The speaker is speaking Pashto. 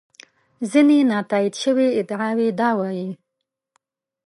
ځینې نا تایید شوې ادعاوې دا وایي.